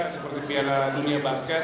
seperti piala dunia basket